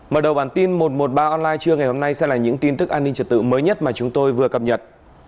mở đầu bản tin một trăm một mươi ba online trưa ngày hôm nay sẽ là những tin tức an ninh trật tự mới nhất mà chúng tôi vừa cập nhật